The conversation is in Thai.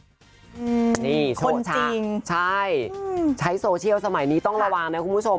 คนชักใช่ใช้โซเชียลสมัยนี้ต้องระวังนะคุณผู้ชมใช้โซเชียลสมัยนี้ต้องระวังนะคุณผู้ชม